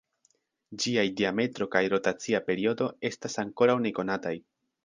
Ĝiaj diametro kaj rotacia periodo estas ankoraŭ nekonataj.